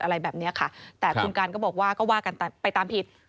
อะไรแบบนี้ค่ะแต่คุณการก็บอกว่าก็ว่ากันไปตามผิด